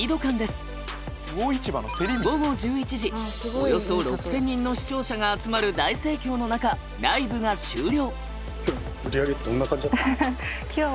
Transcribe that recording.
およそ６，０００人の視聴者が集まる大盛況の中ライブが終了。